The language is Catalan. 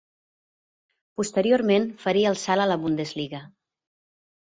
Posteriorment faria el salt a la Bundesliga.